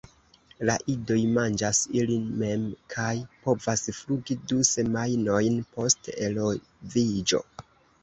La idoj manĝas ili mem kaj povas flugi du semajnojn post eloviĝo.